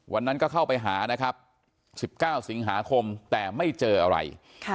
วันนั้นก็เข้าไปหานะครับ๑๙สิงหาคมแต่ไม่เจออะไร